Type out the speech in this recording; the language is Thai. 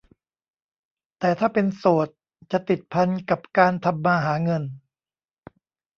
แต่ถ้าเป็นโสดจะติดพันกับการทำมาหาเงิน